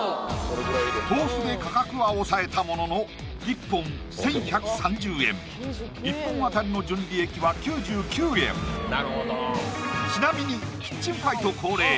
豆腐で価格は抑えたものの１本１１３０円１本あたりの純利益は９９円ちなみにキッチンファイト恒例